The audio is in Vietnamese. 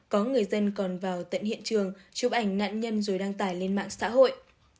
có người dân còn vào tận hiện trường chụp ảnh nạn nhân rồi đăng tải lên mạng xã hội